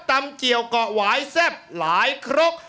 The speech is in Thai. ตำเจียวเกาะไหว้แซ่บหลายครบ